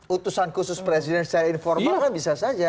utusan khusus presiden secara informal kan bisa saja